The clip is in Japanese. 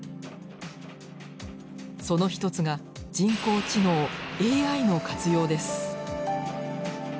その一つが人工知能ＡＩの活用です。